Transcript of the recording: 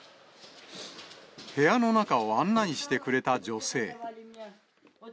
部屋の中を案内してくれた女性。